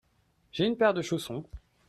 J'ai une paire de chaussons.